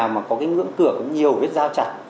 mà có cái ngưỡng cửa có nhiều vết dao chặt